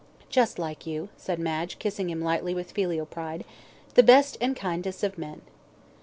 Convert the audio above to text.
"Just like you," said Madge, kissing him lightly with filial pride. "The best and kindest of men."